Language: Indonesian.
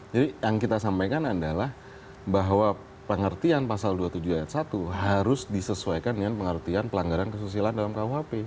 yang kita sampaikan adalah bahwa pengertian pasal dua puluh tujuh ayat satu harus disesuaikan dengan pengertian pelanggaran kesusilaan dalam kuhp